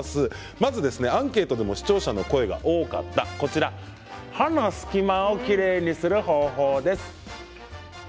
まずはアンケートでも視聴者の声が多かった歯の隙間をきれいにする方法です。